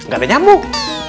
gak ada nyamuk